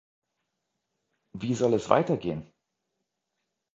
Wie soll es weitergehen?